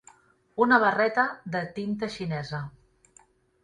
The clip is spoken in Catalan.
Una barreta de tinta xinesa.